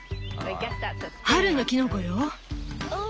春のきのこよ。